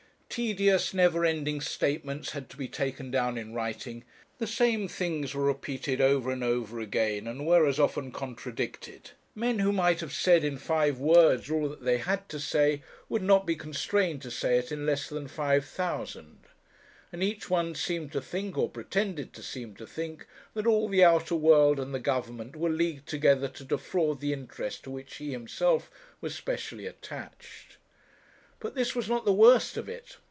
Tedious, never ending statements had to be taken down in writing; the same things were repeated over and over again, and were as often contradicted; men who might have said in five words all that they had to say, would not be constrained to say it in less than five thousand, and each one seemed to think, or pretended to seem to think, that all the outer world and the Government were leagued together to defraud the interest to which he himself was specially attached. But this was not the worst of it.